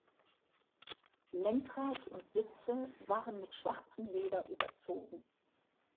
Lenkrad und Sitze waren mit schwarzem Leder überzogen.